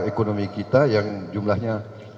ekonomi kita yang jumlahnya